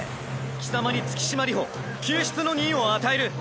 貴様に月島流星救出の任を与える。